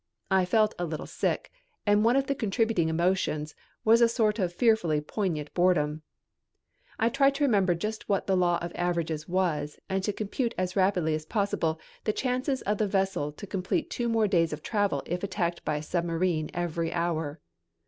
I felt a little sick, and one of the contributing emotions was a sort of fearfully poignant boredom. I tried to remember just what the law of averages was and to compute as rapidly as possible the chances of the vessel to complete two more days of travel if attacked by a submarine every hour.